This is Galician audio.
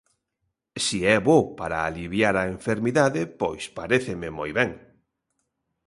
Si é bo para aliviar a enfermidade, pois paréceme moi ben.